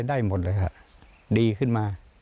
ได้หมดเลยค่ะดีขึ้นมา